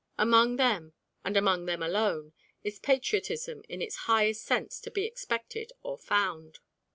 Among them, and among them alone, is patriotism in its highest sense to be expected or found.